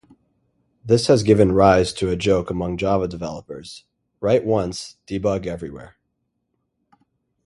This has given rise to a joke among Java developers, "Write Once, Debug Everywhere".